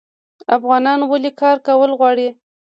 افغانان ولې کار کول غواړي؟